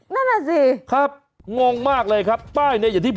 วัยรุ่นที่คุกขนองเป็นอุบัติเหตุในทางที่ผิด